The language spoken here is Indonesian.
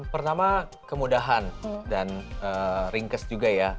pertama kemudahan dan ringkas juga ya